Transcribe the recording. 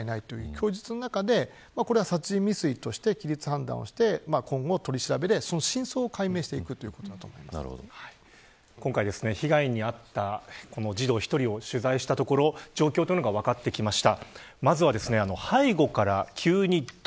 供述の中でこれは殺人未遂として判断して今後取り調べで真相解明をしていくということだと今回、被害に遭った児童１人を取材したところ状況が分かってきました。